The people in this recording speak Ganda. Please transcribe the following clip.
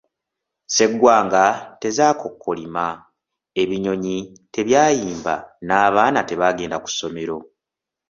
Ssegwanga tezaakookolima, ebinyonyi tebyayimba n'abaana tebagenda ku ssomero.